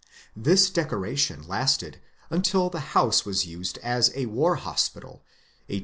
This decoration lasted until the house was used as a war hospital, 1862 65.